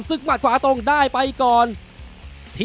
สวัสดีครับ